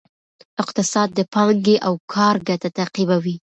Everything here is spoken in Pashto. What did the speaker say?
اقتصاد د پانګې او کار ګټه تعقیبوي.